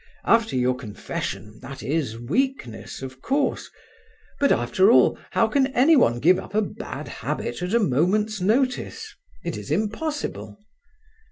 After your confession, that is weakness, of course; but, after all, how can anyone give up a bad habit at a moment's notice? It is impossible.